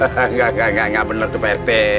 enggak enggak enggak bener tuh pak rt